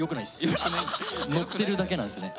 のってるだけなんすね。